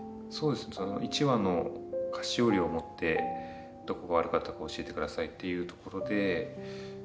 １話の菓子折りを持ってどこが悪かったか教えてくださいっていうところで。